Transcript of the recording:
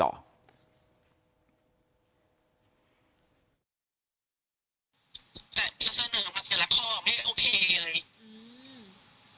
แต่เสนอมันแต่ละข้อไม่โอเคเลย